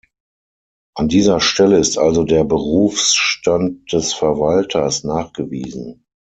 An dieser Stelle ist also der Berufsstand des Verwalters nachgewiesen.